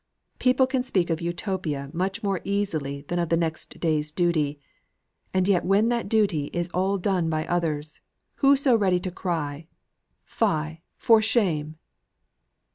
People can speak of Utopia much more easily than of the next day's duty; and yet when that duty is all done by others, who so ready to cry, 'Fie, for shame!